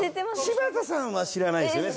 柴田さんは知らないですよね？